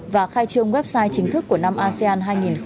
và khai trương website chính thức của năm asean hai nghìn hai mươi